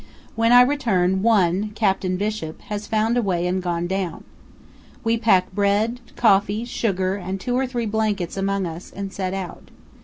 When I return, one, Captain Bishop, has found a way and gone down. We pack bread, coffee, sugar, and two or three blankets among us, and set out.